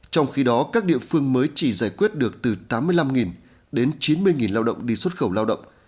trong khi đó các địa phương mới chỉ giải quyết được từ tám mươi năm đến chín mươi lao động đi xuất khẩu lao động